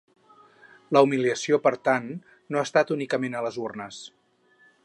La humiliació, per tant, no ha estat únicament a les urnes.